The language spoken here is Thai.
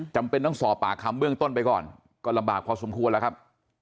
จำเป็นต้องสอบปากคำเบื้องต้นไปก่อนก็ลำบากพอสมควรแล้วครับ